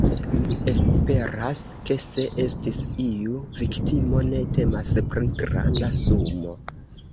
Mi esperas ke se estis iu viktimo, ne temas pri granda sumo.